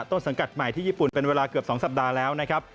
ต้นสังกัดใหม่ที่ญี่ปุ่นเป็นเวลาเกือบ๒สัปดาห์แล้วนะครับ